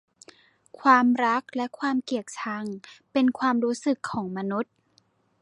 ความรักและความเกลียดชังเป็นความรู้สึกของมนุษย์